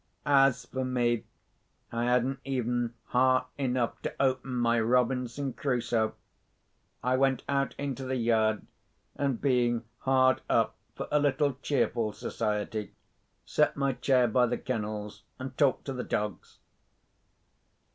As for me, I hadn't even heart enough to open my Robinson Crusoe. I went out into the yard, and, being hard up for a little cheerful society, set my chair by the kennels, and talked to the dogs.